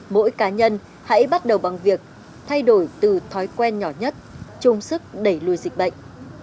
mỗi cá nhân hãy bắt đầu bằng việc thay đổi từ thói quen nhỏ nhất chung sức đẩy lùi dịch bệnh